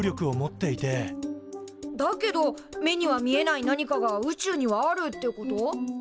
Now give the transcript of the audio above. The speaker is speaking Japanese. だけど目には見えない何かが宇宙にはあるってこと？